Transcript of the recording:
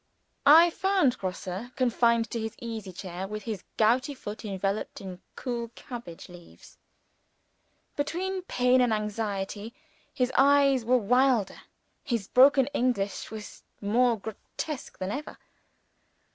I found Grosse confined to his easy chair, with his gouty foot enveloped in cool cabbage leaves. Between pain and anxiety, his eyes were wilder, his broken English was more grotesque than ever.